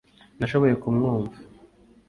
nashoboye kumwumva